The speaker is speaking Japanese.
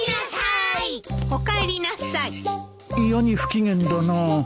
いやに不機嫌だな